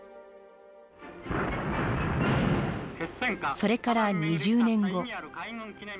それから２０年後。